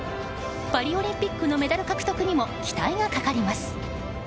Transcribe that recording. パリオリンピックのメダル獲得にも期待がかかります。